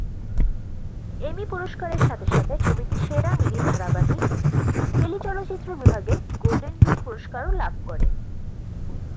এমি পুরস্কারের সাথে সাথে ছবিটি সেরা মিনি ধারাবাহিক/টেলিচলচ্চিত্র বিভাগে গোল্ডেন গ্লোব পুরস্কারও লাভ করে।